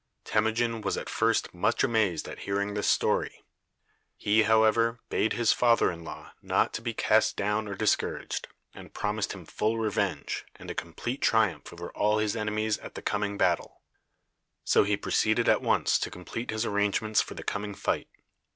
Temujin was at first much amazed at hearing this story. He, however, bade his father in law not to be cast down or discouraged, and promised him full revenge, and a complete triumph over all his enemies at the coming battle. So he proceeded at once to complete his arrangements for the coming fight.